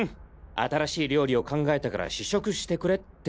新しい料理を考えたから試食してくれって。